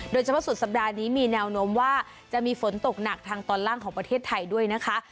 สุดสัปดาห์นี้มีแนวโน้มว่าจะมีฝนตกหนักทางตอนล่างของประเทศไทยด้วยนะคะ